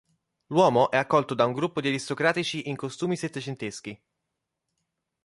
L'uomo è accolto da un gruppo di aristocratici in costumi settecenteschi.